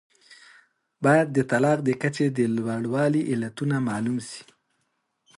باید د طلاق د کچې د لوړوالي علتونه معلوم سي.